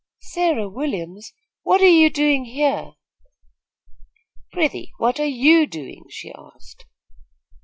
"Sarah Williams, what are you doing here?" "Prythee, what are you doing?" she asked.